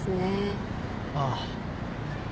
ああ